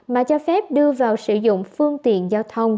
mà cho phép đưa vào sử dụng phương tiện giao thông